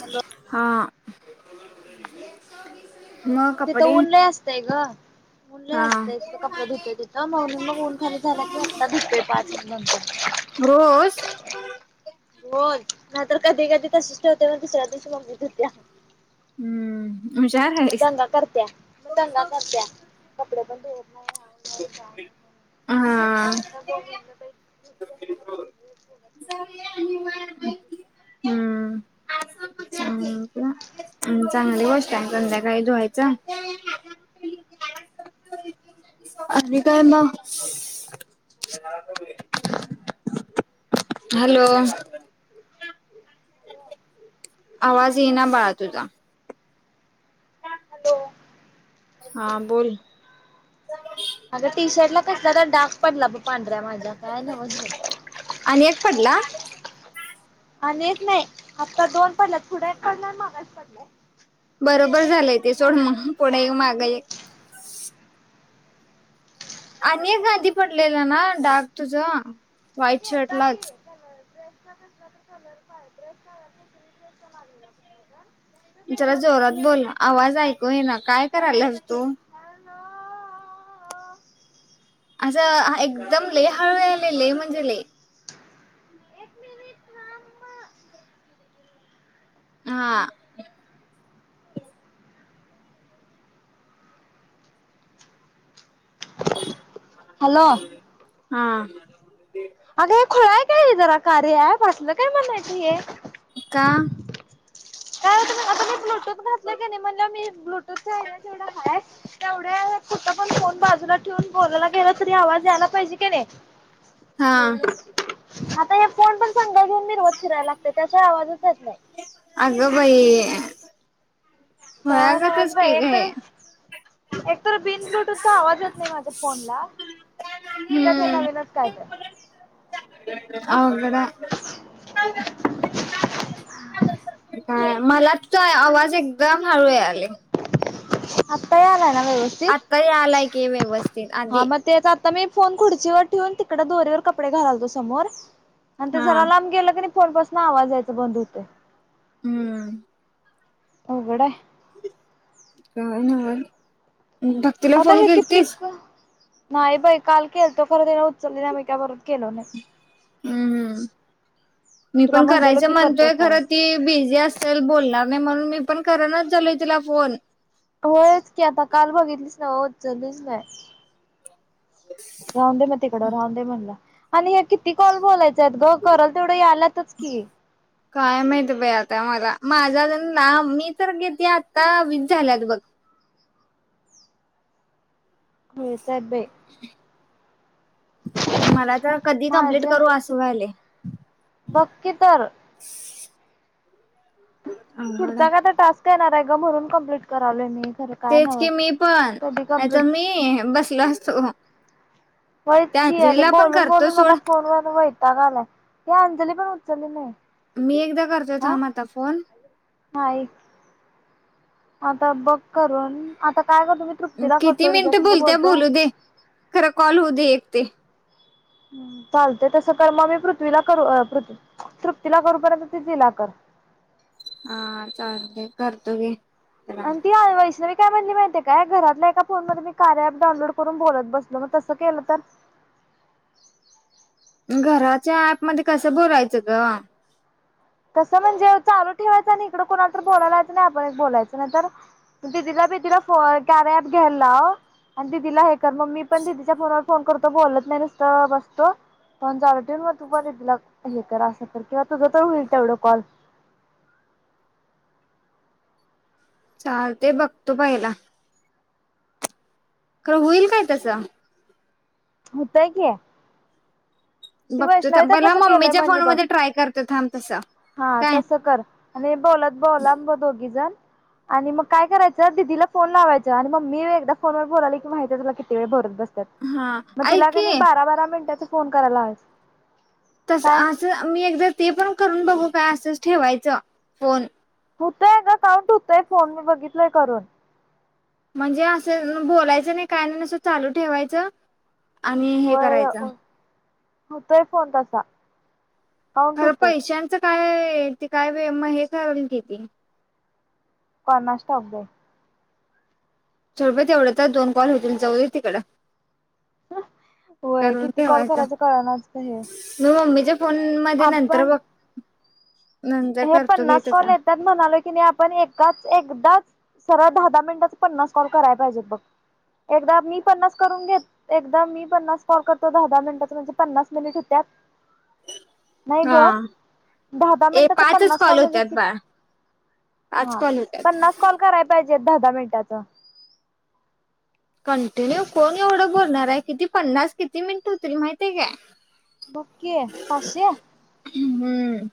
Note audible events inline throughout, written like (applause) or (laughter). Hello ह मग तिथं ऊन लई असतय ग. ऊन लई हा असतंय तिथं कपडे धुतोय तिथं म्हणून ऊन खाली झाला की आत्ता धुतोय पाच नंतर. रोज बोल, नाही तर कधी कधी तसंच ठेवत्या मग दुसऱ्या दिवस मम्मी धुत्या. हूं. मग दंगा करत्या मग दंगा करत्या कपडे पण धूवू हा म्हणून आता दोघींना बाई हम्म चांगली बसत्या संध्याकाळी धुवायच. आणि काय मग. हॅलो आवाज ये ना बाळा तुझा. हॅलो हा बोल. अग टी शर्ट ला कसला तर डाक पडला पांढऱ्या माझ्या काय न्हवंच. आणि एक पडला आणि एक नाही आत्ता दोन पडल्यात पट पूढ एक पडला आणि माग एक पडलाय. बरोबर झालंय ते सोड मग पुढ एक माग एक अनेक गांधी पडलेला ना डाग तुझ- व्हाईट शर्टलाच. ड्रेसचा फोणता कलर आहे ड्रेसचा लागले जरा जोरात बोल आवाज ऐकू ये ना काय करायलास तु? न असं एकदम ले हळू यालय लय म्हणजे लय. हा हॅलो. हा का जरा कार्य ॲप असंल काय म्हणायचं हे? एका काय आता मी ब्लूटूथ. घातल कणी म्हणल मी ब्लूटूथव त हाय कुठं पण फोन बाजूला ठेवून बोलायला गेला तरी आवाज यायला पाहिजे क नाही? हा आता या फोन पण सांग. घेऊन म मिरवत फिरायला लागत त्याशिवाय आवाजचच येत नाही. अगं बाई. काय नव्हच खुळ्यागतच बाई की एक हे. तर एक तर बिन ब्लूटूथचा आवाजच येत नाही माझ्या फोनला, त्यात हे नवीन काय तर? ह (unintelligible) (unintelligible) मला त आवाज एकदम हळू आलय. अता यालाय ना? व्यवस्थित? आता आलाय की व्यवस्थित आधी तर मी फोन खुर्चीवर ठेवुन तिकड दोरीवर कपडे घालालतो समोर- आणि ते हा जरा लांब गेलं कनी तवा पासून आवाज यायच बंद होतय. हम्म. उघडा. काय न्हाय. भक्तीला आता फोन हे किती केलतीस? नाही बाई, काल केलतो खरं उचलली नाही मी त्या परत- केलो नाही हं. हं. मी तुला पण म्हणलेलो करायच की करतो म्हणतोय, तर खर ती बिझी असेल बोलणार आणि म्हणून मी पण करनाच झालोय तिला फोन- होयच की आता काल बघितलीस हो उचलीच नाही. राहूंदे मग तिकडं राहूंदे म्हणलं आणि ह्या किती कॉल बोलायचे आहेत ग, करल तेवढं याल्यातच की- काय माहती बाई आता मला, माझा तर ना मी तर किती आत्ता वीस झाल्यात बघ- हो. मला तर कधी कंप्लीट करू अस व्हायलय. हम् (inaudible) बघकी तर, रोज हाय, (unintelligible) रोज पुढचा का तो टास्क (unintelligible) तो येणार हाय ग म्हणून कंप्लीट करायलोय मी. खरं काय तेच की नव्हच. मी पण कधी कंप्लीट नायतर मी बसलो असतो. व्हईच त्या की अगं अंजलीला पण बोलून करतो बोलून मला सोड. फोन वरून मला वै. - वैताग आलाय ती अंजली पण उचली नाही- मी एकदा करतोय, थांब आता फोन नाहीत. आता बघ करून, आता- काय करतो मी हि तृप्तीला किती करतो तिच्या मिनिटं संग बोलत्या बोलतो. बोलू दे, खरा कॉल होऊ दे एक- ते चालतंय तसं कर मग मी पृथ्वीला करू पृथ तृप्तीला करूपर्यंत ति तिला कर हा चालतय करतो गे अन ती आ वैष्णवी का पण माहिती काय घरातल्या एका फोन मध्ये मी कार्या ॲप डाउनलोड करून बोलत बसलो मग तसं केलं तर घराच्या ऍप मध्ये कसं बोलायच ग तसं म्हणजे चालू ठेवायचं आणि इकडं कुणाला तर बोलालायचं नाहीतर आपणच एक बोलायचं नाही तर दिदीला बीदिला कार्या ॲप घ्यायला लाव आणि दीदीला हे तर मग मी पण दिदीच्या फोनवर फोन करतो बोलत नाही नुसत बसतो फोन चालू ठेवून मग तु परत तिला हे कर अस तर किंवा तुझ तर होईल. तेवढं कॉल चाल ते बघतो पहिला खर होईल काय तस? होतय कि ती बघतो वैष्णवीच थांब पहिला तसं केलय मम्मीच्या म्हणली फोन बघ मध्ये ट्राय करतो थांब तसं हा काय तसं कर आणि बोलत बोला मग दोघीजण आणि मग काय करायचं दिदीला फोन लावायचं आणि मम्मी एकदा फोनवर बोलाली की माहिती आहे तुला किती वेळ बोलत बस हा मग ऐक तिला कणी की बारा बारा मिनटाच फोन करायला लावायचं तस असं मी एकदा ते पण करून बघू आसस ठेवायच फोन होतंय ग काउंट होतंय फोन मी बघितलय करून म्हणजे असं बोलायचं नाही काय नुस्त चालू ठेवायचं आणि हे करायच होतय फोन तसा काउंट खरं होतोय पैशांचं काय ते काय वे मग हे करल की ती कोणास ठाऊक बई सोड बई तेवढ तर दोन कॉल होतील जाऊ दे तिकड होय करून किती कॉल ठेवायच करायचं कळणाच हे मी मम्मीच्या फोन मध्ये नंतर आपण बघ नंतर हे करतो घे पन्नास त्याचा कॉल येतात म्हणालो की नाही आपण एकाच एकदाच सरळ दहा दहा मिनिटाचा पन्नास कॉल कराय पाहिजेत बघ एकदा मी पन्नास करून घेत एकदा मी पन्नास कॉल करतो दहा दहा मिनिटाच म्हणजे पन्नास मिनिट हुत्यात नाही ग हा दहा दहा ए मिनटाच पाचच पन्नास कॉल म्हणजे होत्यात कि बाळ पाच ह कॉल होत्यात पन्नास कॉल कराय पाहिजे दहा दहा मिनिटाचं कंटिन्यू कोण एवढं बोलणार आहे किती पन्नास किती मिनिट हुतील माहितय काय बग कि पाशे हं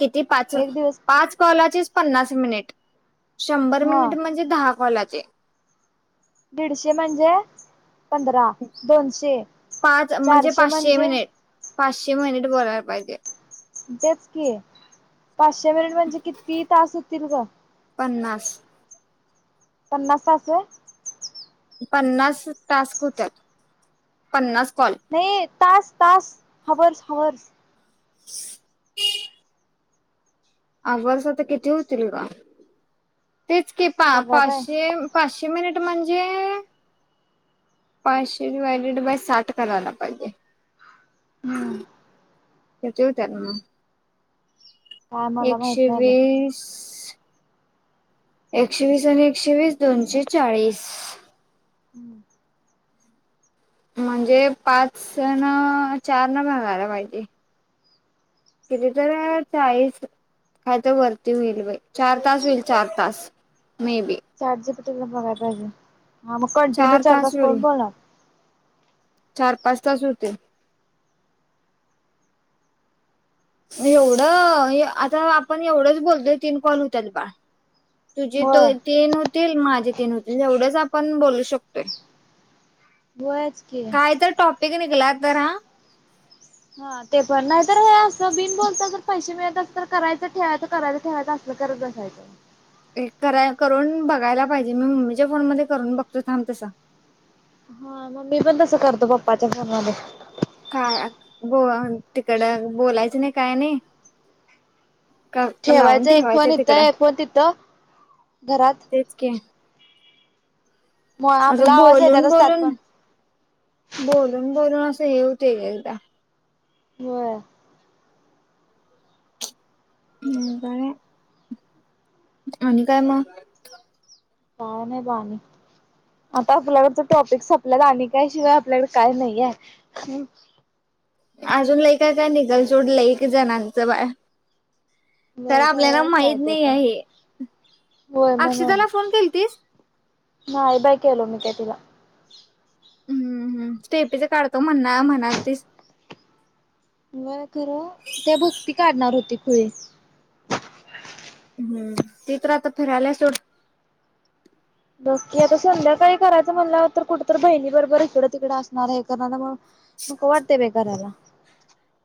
किती पाच एक दिवस पाच कॉलाची पन्नास मिनिट शंभर हा मिनिट म्हणजे दहा कॉलत ज दीडशे म्हणजे पंधरा दोनशे चारशे म्हणजे पाशे मेनिट बोलय पाहिजे तेच की पाचशे मिनिट म्हणजे किती तास होतील ग पन्नास पन्नास तास होय पन्सास टास्क होत्यात पन्सास नाही तास तास हवर्स हवर्स ह आवाज आता कितीे होतील ग तेच की पा बघाय पाय पाचशे पाचशे मिनिट म्हणजे पाचशे डिवायडेड बाय साठ करायला पाहिजे हम्म किती होत्यात मग काय मला एकशे माहित नाही बाई वीस एकशे वीस आणि एकशे वीस दोनशे चाळीस हम्म म्हणजे पाच न चार न मिळवायला पाहिजे किती तर चाळीस काय तर वरती होईल चार तास होईल चार तास मे बी चॅटजीपेटी बघायला पाहिजे हा मग कंटिन्यू चार तास कोण बोलणार चार पाच तास होते एवढं आता आपण एवढंच बोलतोय तीन कॉल होत्यात बाळ तुझी तो होय ते न होतील माझे तीन होतील एवढेच आपण बोलू शकतोय व्हयच की हिला तर आ हा ते पण नाही तर हे असं बिन बोलता जर पैसे मिळत अस तर करायचं ठेवायचं करायच ठेवायचं असल करत बसायचं कराय करून बघायला पाहिजे मी मम्मीच्या फोन मध्ये करून बघतो थांब तसा हा मग मी पण तस करतो पपाच्या फोन मध्ये काय ब तिकड बोलायचं नाही काय नाही का लावून ठेवायचं एक फोन तिकड इथं एक फोन तिथं घरात मग आ ग आपला आवाज बोलून येतातच त्यात बोलून पण. बोलून बोलून अस सेव- ते यायला - बर. ह हं. आणि काय मग? काय नाही बघ. आणि आता ब्लाउजचा स्टाक तर सम्पलेला आणि काय शिवाय आपल्याकडे काय नाही आहे. अजून लय काय काय निघल सोड लय एक जणांचं बाळ- व्हय आपल्याला तर काय माहित ते नाही पण. आहे होय म्हणून. अक्षताला फोन केलतीस नाही बाई केलो मी त्या तिला- हम्म हम् स्टेफीच काढतो म्हणा म्हणाल तीच ती- (unintelligible) खरं ते भक्ती काढणार होती. होये. हम्म ते तर आता फिरायल्या सोड. बघकी आता संध्याकाळी करायचं म्हणल्यावर तर कुठ तर बहिणी बरोबर हिकडं तिकडं असणारए (unintelligible) मग. नको वाटतंय बाई करायला.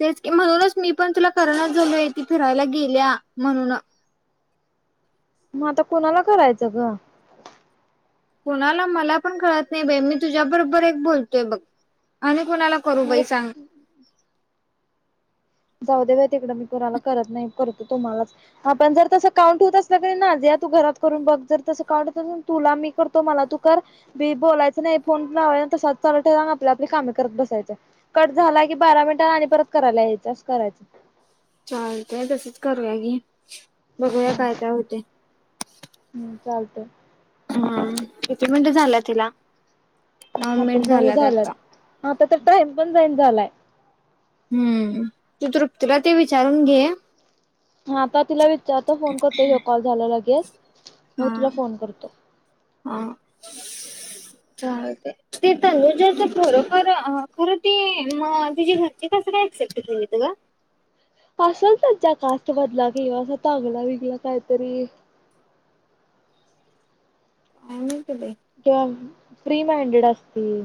तेच की. म्हणूनच मी पण तुला करेंनाच झालोय की फिरायला गेल्या म्हणून- म आता कुणाला करायचा ग? कोणाला? मला पण कळत नाही बाई मी तुझ्या बरोबर एक बोलतोय बघ. आणि कोणाला करू बाई सांग. जाऊ दे बाई तिकडं. मी कुणाला करत नाही. करतो तुम्हालाच आपण जर तसं काउंट होत असलं तरी ना जा या तू घरात करून बघ जर तसं काउंट होत तुला मी करतो मला तू कर मी बोलायचं नाही फोन जाऊ दे बाई तिकडं मी कुणाला करत नाई, करती तुम्हालाच. हा पण जर तसं काउंट होत असल नाझिया तू घरात करून बघ. जर तसं काउंट होत असल तर तुला मी करतो मला तू कर, ते बोलायचं नायी फोन लावायचा तसाच चालू ठेवून आपली आपली कामं करत बसायचं. कट झाला की बारा मिनिटांनी आणि परत करायला यायचं. करायचं. चालतंय, तसंच करू या की. बघूया काय काय होतय. त. ह्म्म, किती मिनटं झाल्या तिला? नऊ आता मिनिट दऊ झाल्यात आता झालंत आ (unintelligible) टाइम पण जाईन झालाय. हम्म. तू तृप्तीला ते विचारून घे. हा तर तिला विचारतो, फोन करतो, ह्यो कॉल झाला लगेच, मग हा तुला फोन करतो. चालतंय. ते तनुज्याच खर खर खरं ते म तिज्या घरची कसं काय ऍक्सेप्ट केली त गं? असंल त्यांच्या कास्ट मधला किंवा असा चांगला बिंगला काहीतरी- काय नाही ग बाई. (unintelligible) फ्री माइंडेड असतील.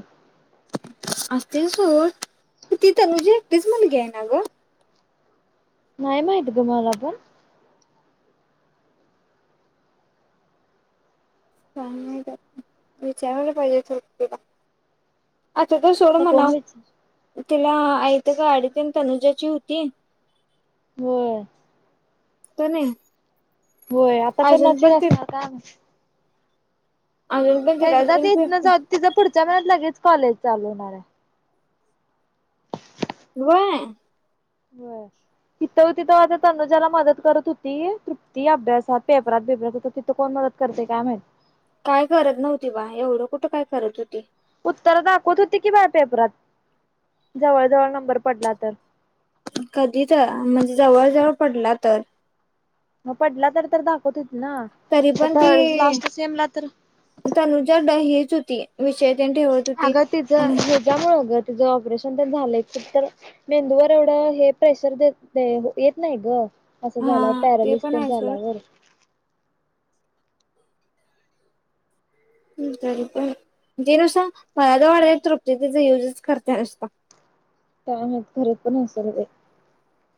(unintelligible) ती तनुजी एकटीच मुलगीए ना गं? नाही माहित गं, मला पण. (unintelligible) विचारायला पाहिजे (unintelligible) तिला. (unintelligible) तर सोड आता कोण म्हणावं. विचार तिला. (unintelligible) तनुजाची होती? हम्म. तनया होय आता करणाचे असणार का अजून पण तिलाच एकदा घेऊन ती हितनं फिरते जाऊ तिझं पुढच्या महिन्यात लगेच कॉलेज चालू होणारए. व्हय? व्हय. तिथं तिथं आता तनुजाला मदत करत होती. तृप्ती अभ्यासात पेपरात बिपरात हो तिथं कोण मदत करतय काय म्हाईत. काय करत नव्हती बा. एवढं कुठं काय करत होती. उत्तरं दाखवत होती की बाय पेपरात. जवळ जवळ नंबर पडला तर. कधी तर, म्हणजे जवळ जवळ पडला तर. म पडला तर तर दाखवत तरी पण ती तर तनुजा ड हीच होती. विषयष. अगं तिचं हेच्यामुळे अगं तुझं ऑपरेशन तर झालं तर मेंदूवर एवढं हे प्रेशर द येत नाही ग असं झाल्यावर हा ते पण पॅरलिस्टन आहे सोड झाल्यावर पण जे नुसता मला ज वाढला तृप्ती तचा युजच करते नुसता काायम खरच पण असल ते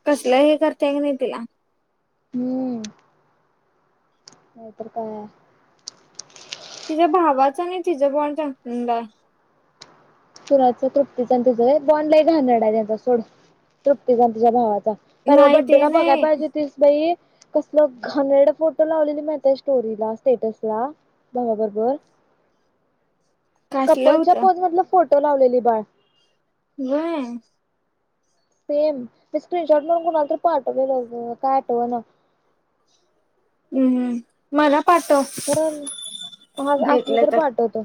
कसलं हे करताय की नाही तिला हम्म नाही तर काय तिच्या भावाचं आणि तिझ बणचाड तृप्तीचा तु बॉन घड आहेचा सोड तृप्तीचान तुच्या भावात प नाही रोबट ते डेला बघाय नाही पाहिजे तीस बाई कसल घनड फोटो लावलेली मा त्या स्टोरीला स्टेटस ला बघ बरोबर. कसलं कपलच्या होतं पत मधलं. फोटो लावलेली बाळ वय सेम स्क्रीनशॉट म्हणून कुणाला तर पाठवलेलं काय आठव ना हम्म हम्म मला पाठव खर ह असलं तरी पा पाठवतो.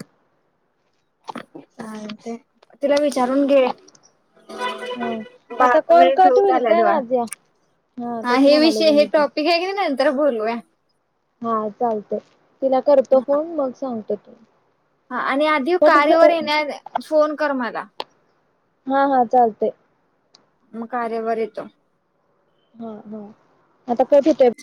ह ते तला वि विचारून घे हा आता बारा कॉल मिनि कट होईल काय होऊ नाझिया हा तेच हे म्हणाले विषय ग हे मी पण टॉपिक आहे की नंतर बोलूया. हा चालतय. तिला करतो फोन मग सांगतो. हो. हा आणि आधी कार्यावर येण्या फोन कर मला हा हा चालतय. म काररे वरेतो. हा हा आता कफी टे